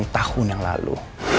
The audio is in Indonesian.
delapan tahun yang lalu